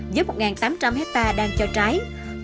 với một tám trăm linh hectare đang cho trái